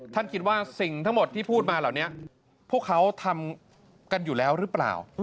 คิดว่าสิ่งทั้งหมดที่พูดมาเหล่านี้พวกเขาทำกันอยู่แล้วหรือเปล่า